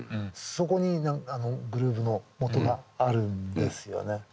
そこにグルーブのもとがあるんですよね。